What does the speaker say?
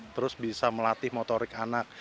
terus bisa melatih motorik anak